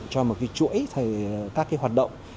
cho một cái chuỗi các cái hoạt động